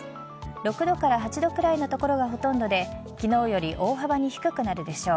６度から８度くらいの所がほとんどで昨日より大幅に低くなるでしょう。